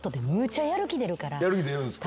やる気出るんすか？